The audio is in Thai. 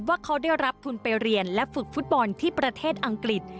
ว่าเขาได้รับทุนไปเรียนและฝึกฟุตบอลที่ประเทศอังกฤษ